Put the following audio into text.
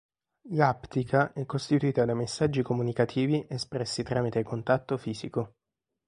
L'aptica è costituita dai messaggi comunicativi espressi tramite contatto fisico.